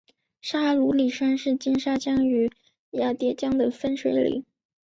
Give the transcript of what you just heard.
沙鲁里山是金沙江与雅砻江的分水岭。